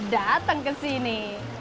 datang ke sini